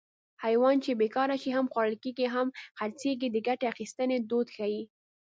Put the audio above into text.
حیوان چې بېکاره شي هم خوړل کېږي هم خرڅېږي د ګټې اخیستنې دود ښيي